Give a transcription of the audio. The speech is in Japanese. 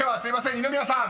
二宮さん